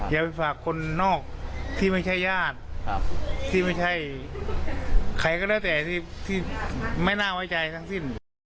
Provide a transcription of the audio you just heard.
อย่าไปฝากคนนอกที่ไม่ใช่ญาติที่ไม่ใช่ใครก็แล้วแต่ที่ไม่น่าไว้ใจทั้งสิ้น